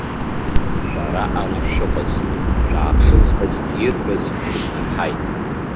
Шәара ара шәыҟаз, шәааԥшы зҳәаз ирҳәаз дыдмырҳаит.